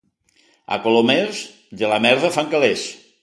A Colomers, de la merda fan calés.